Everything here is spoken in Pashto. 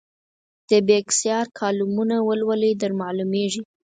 د بېکسیار کالمونه ولولئ درمعلومېږي.